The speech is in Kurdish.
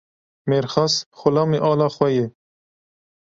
Mêrxas, xulamê ala xwe ye.